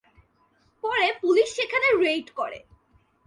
পরে পুলিশ সেখানে রেইড করে।